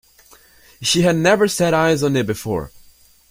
She had never set eyes on it before.